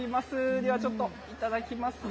ではちょっといただきますね。